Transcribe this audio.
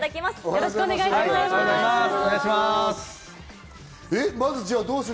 よろしくお願いします。